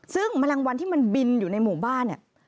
ซึ่งแมลงวันที่มันบินอยู่ในหมู่บ้านเนี่ย